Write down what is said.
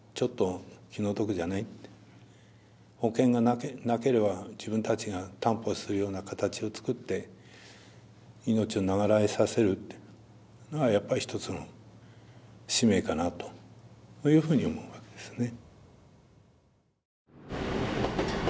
保険がなければ自分たちが担保するような形を作って命を長らえさせるというのがやっぱり一つの使命かなというふうに思うわけですね。